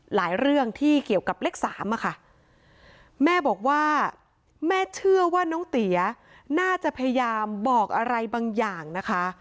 เรื่องที่เกี่ยวกับเลขสามอะค่ะแม่บอกว่าแม่เชื่อว่าน้องเตี๋ยน่าจะพยายามบอกอะไรบางอย่างนะคะ